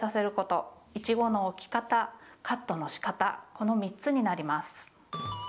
この３つになります。